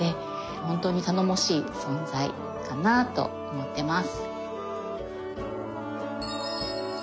本当に頼もしい存在かなと思ってます。